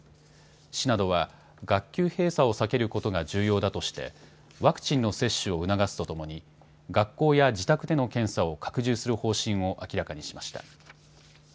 市などは学級閉鎖を避けることが重要だとして、ワクチンの接種を促すとともに、学校や自宅での検査を拡充する方針を明らかにしました。